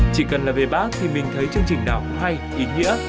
chỉ cần là về bác thì mình thấy chương trình nào cũng hay ý nghĩa